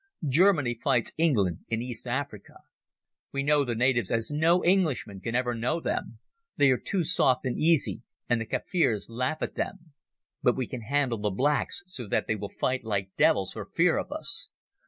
Germany fights England in East Africa. We know the natives as no Englishmen can ever know them. They are too soft and easy and the Kaffirs laugh at them. But we can handle the blacks so that they will fight like devils for fear of us.